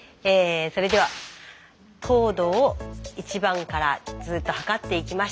それでは糖度を１番からずっと測っていきました。